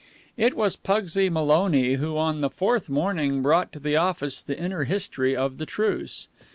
It was Pugsy Maloney who, on the fourth morning, brought to the office the inner history of the truce.